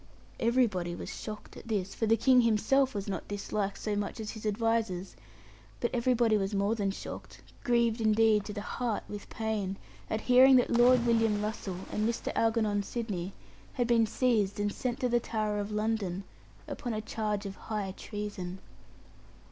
Everybody was shocked at this, for the King himself was not disliked so much as his advisers; but everybody was more than shocked, grieved indeed to the heart with pain, at hearing that Lord William Russell and Mr. Algernon Sidney had been seized and sent to the Tower of London, upon a charge of high treason.